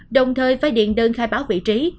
đồng thời phải điện đơn khai báo vị trí